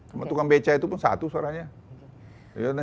sama tukang beca itu pun satu suaranya